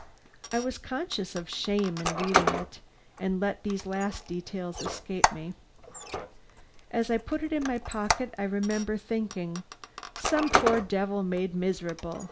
I was conscious of shame in reading it, and let these last details escape me. As I put it in my pocket I remember thinking, "Some poor devil made miserable!"